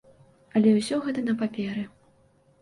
Але ўсё гэта на паперы.